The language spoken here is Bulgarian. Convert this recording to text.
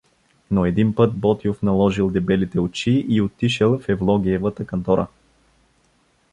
Но един път Ботйов наложил дебелите очи и отишел в Евлогиевата кантора.